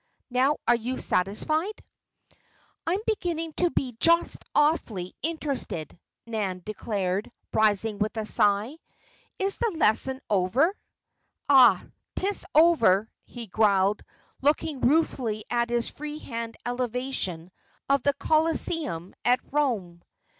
Now, are you satisfied?" "I'm beginning to be just awfully interested," Nan declared, rising with a sigh. "Is the lesson over?" "Ah! 'tis over," he growled, looking ruefully at his free hand elevation of the Colosseum at Rome.